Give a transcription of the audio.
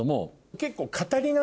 結構。